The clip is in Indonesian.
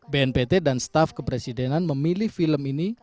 bnpt dan staff kepresidenan memilih film ini